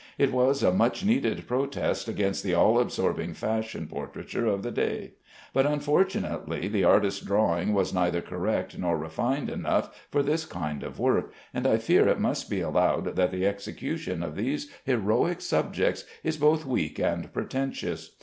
It was a much needed protest against the all absorbing fashionable portraiture of the day; but unfortunately the artist's drawing was neither correct nor refined enough for this kind of work, and I fear it must be allowed that the execution of these heroic subjects is both weak and pretentious.